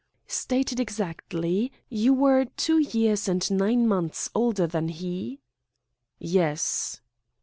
"Stated exactly, you were two years and nine months older than he?" "Yes."